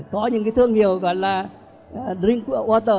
có những cái thương hiệu gọi là drink water